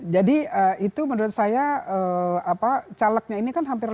jadi itu menurut saya calegnya ini kan hampir lima lima ratus